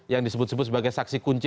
yang disebut sebut sebagai saksi kunci